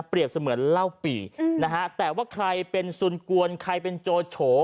เสมือนเหล้าปีนะฮะแต่ว่าใครเป็นสุนกวนใครเป็นโจโฉ